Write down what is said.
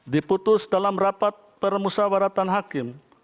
diputus dalam rapat permusawaratan hakim